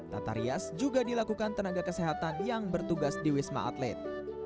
tata rias juga dilakukan tenaga kesehatan yang bertugas di wisma atlet